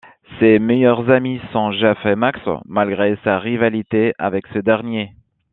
Ses meilleurs amis sont Jeff et Max, malgré sa rivalité avec ce dernier.